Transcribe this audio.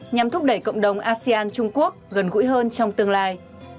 nhằm thúc đẩy cộng đồng asean trung quốc gần gũi hơn trong tương lai